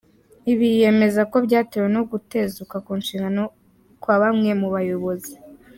Ibi yemeza ko byatewe no gutezuka ku nshingano kwa bamwe mu bayobozi.